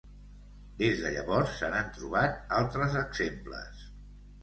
Des de llavors se n'han trobat altres exemples.